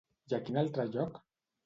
I a quin altre lloc?